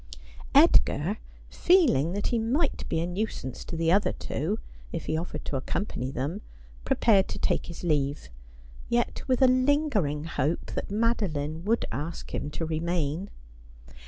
Edgar, feeling that he might be a nuisance to the other two if he offered to accompany them, prepared to take his leave, yet with a lingering hope that Madoline would ask him to remain.